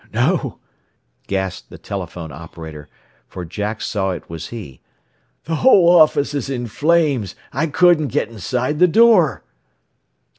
"No," gasped the telephone operator, for Jack saw it was he; "the whole office is in flames. I couldn't get inside the door."